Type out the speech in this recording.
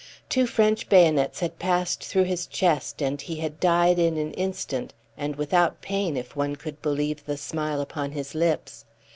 Two French bayonets had passed through his chest, and he had died in an instant, and without pain, if one could believe the smile upon his lips.